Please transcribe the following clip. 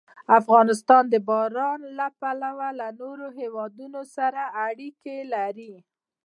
افغانستان د باران له پلوه له نورو هېوادونو سره اړیکې لري.